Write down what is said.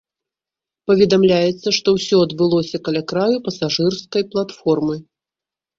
Паведамляецца, што ўсё адбылося каля краю пасажырскай платформы.